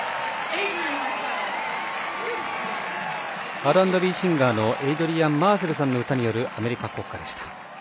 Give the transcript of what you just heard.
Ｒ＆Ｂシンガーのマーセルさんによるアメリカ国歌でした。